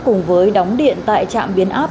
cùng với đóng điện tại trạm biến áp